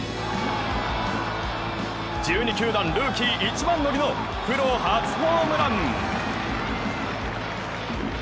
１２球団ルーキー一番乗りのプロ初ホームラン。